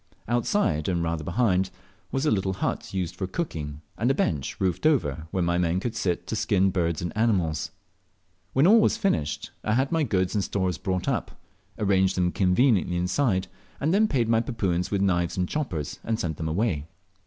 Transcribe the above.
Outside, and rather behind, was a little hut, used for cooking, and a bench, roofed over, where my men could sit to skin birds and animals. When all was finished, I had my goods and stores brought up, arranged them conveniently inside, and then paid my Papuans with knives and choppers, and sent them away.